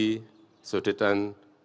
dan ini juga sudetan